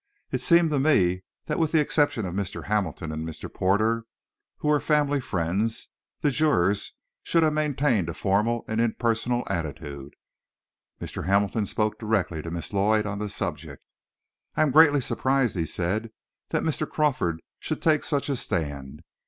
It seemed to me that with the exception of Mr. Hamilton and Mr. Porter, who were family friends, the jurors should have maintained a formal and impersonal attitude. Mr. Hamilton spoke directly to Miss Lloyd on the subject. "I am greatly surprised," he said, "that Mr. Crawford should take such a stand.